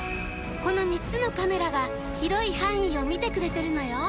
この３つのカメラが広い範囲を見てくれてるのよ！